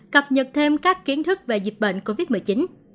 cập nhật thêm các kiến thức về dịch bệnh covid một mươi chín